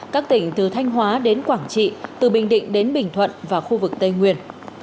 các tỉnh từ thanh hóa đến quảng trị từ bình định đến bình thuận và khu vực tây nguyên